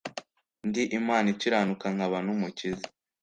Ndi Imana ikiranuka nkaba n Umukiza